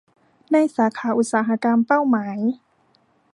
ในสาขาอุตสาหกรรมเป้าหมาย